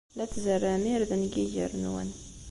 La tzerrɛem irden deg yiger-nwen.